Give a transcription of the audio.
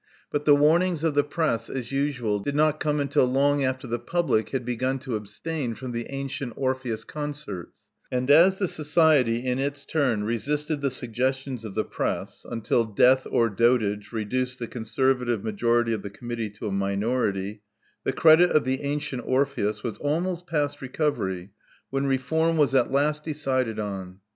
But the warnings of the press, as usual, did not come until long after the public had begun to abstain from the Antient Orpheus concerts; and as the Society in its turn resisted the suggestions of the press until death or dotage reduced i6s 1 66 Love Among the Artists the conservative majority of the committee to a minority, the credit of the Antient Orpheus was almost past recovery when reform was at last decided on.